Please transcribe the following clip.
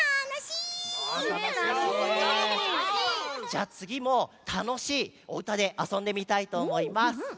じゃあつぎもたのしいおうたであそんでみたいとおもいます。